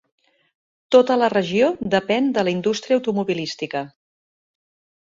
Tota la regió depèn de la indústria automobilística.